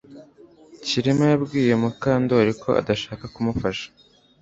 Kirima yabwiye Mukandoli ko adashaka kumufasha